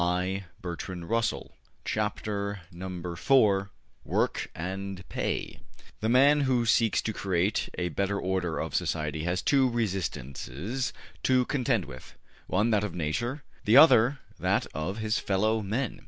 PART II PROBLEMS OF THE FUTURE CHAPTER IV WORK AND PAY THE man who seeks to create a better order of society has two resistances to contend with: one that of Nature, the other that of his fellow men.